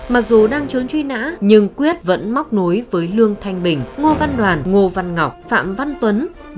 mặc dù đang trốn truy nã nhưng quyết vẫn móc nối với lương thanh bình ngô văn đoàn ngô văn ngọc phạm văn tuấn